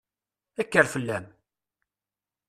Kker fell-am!